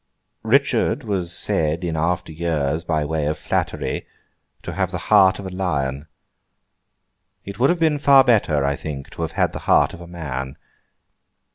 Richard was said in after years, by way of flattery, to have the heart of a Lion. It would have been far better, I think, to have had the heart of a Man.